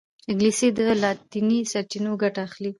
انګلیسي له لاطیني سرچینو ګټه اخلي